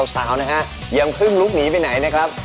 สาวนะฮะยังเพิ่งลุกหนีไปไหนนะครับ